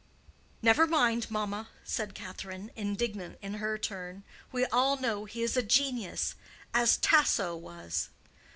"Never mind, mamma," said Catherine, indignant in her turn. "We all know he is a genius—as Tasso was."